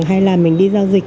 hay là mình đi giao dịch